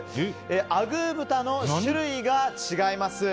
あぐー豚の種類が違います。